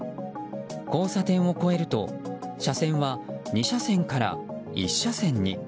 交差点を超えると車線は２車線から１車線に。